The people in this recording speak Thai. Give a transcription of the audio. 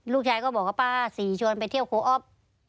ลูกชายก็บอกว่าป้าสี่ชวนไปเที่ยวโคอป